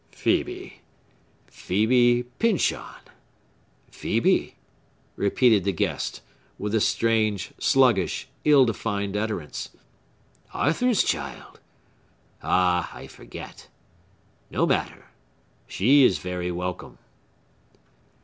"Phœbe—Phœbe Pyncheon?—Phœbe?" repeated the guest, with a strange, sluggish, ill defined utterance. "Arthur's child! Ah, I forget! No matter. She is very welcome!"